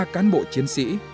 một mươi ba cán bộ chiến sĩ